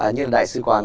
như là đại sứ quán